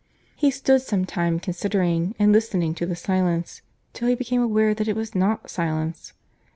He stood some time considering and listening to the silence, till he became aware that it was not silence.